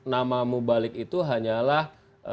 dua ratus nama mubalik itu hanyalah